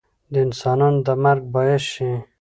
د انسانانو د مرګ باعث شي